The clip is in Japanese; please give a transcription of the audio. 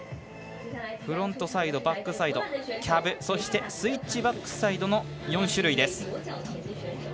フロントサイド、バックサイドキャブ、そしてスイッチバックサイドの４種類。